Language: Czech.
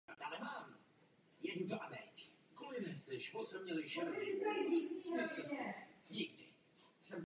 Členové první komory byli stará i novější šlechta a králem jmenovaní.